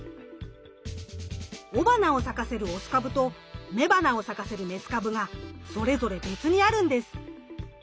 雄花を咲かせるオス株と雌花を咲かせるメス株がそれぞれ別にあるんです。